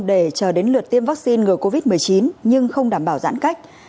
để chờ đến lượt tiêm vaccine ngừa covid một mươi chín nhưng không đảm bảo giãn cách